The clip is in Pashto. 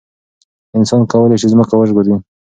انسان کولای شي ځمکه وژغوري.